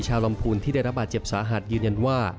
ลำพูนที่ได้รับบาดเจ็บสาหัสยืนยันว่า